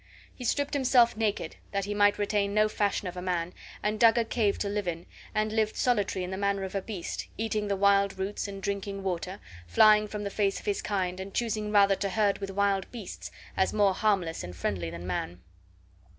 He stripped himself naked, that he might retain no fashion of a man, and dug a cave to live in, and lived solitary in the manner of a beast, eating the wild roots and drinking water, flying from the face of his kind, and choosing rather to herd with wild beasts, as more harmless and friendly than man.